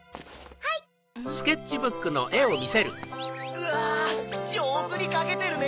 うわじょうずにかけてるね！